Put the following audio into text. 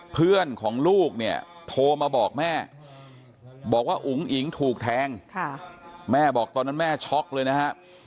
เพื่อนของลูกเนี่ยโทรมาบอกแม่บอกว่าอุ๋งอิ๋งถูกแทงแม่บอกตอนนั้นแม่ช็อกเลยนะฮะ